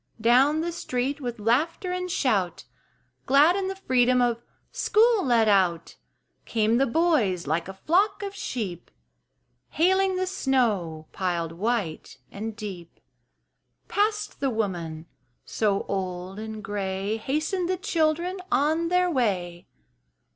Down the street, with laughter and shout, Glad in the freedom of "school let out," Came the boys like a flock of sheep, Hailing the snow piled white and deep. Past the woman so old and gray Hastened the children on their way.